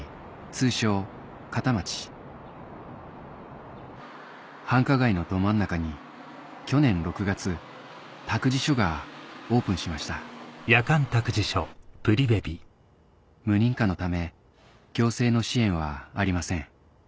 通称片町繁華街のど真ん中に去年６月託児所がオープンしました無認可のため行政の支援はありません